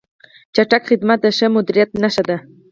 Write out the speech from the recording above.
چټک خدمت د ښه مدیریت نښه ده.